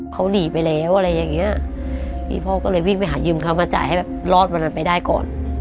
เขาหนีไปแล้วอะไรอย่างเงี้ยพี่พ่อก็เลยวิ่งไปหายืมเขามาจ่ายให้แบบรอดวันนั้นไปได้ก่อน